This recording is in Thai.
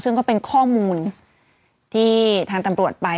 ซึ่งก็เป็นข้อมูลที่ทางตำรวจไป